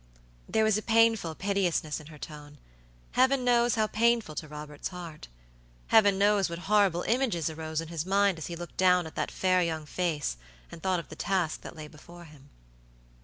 There was a painful piteousness in her tone. Heaven knows how painful to Robert's heart. Heaven knows what horrible images arose in his mind as he looked down at that fair young face and thought of the task that lay before him.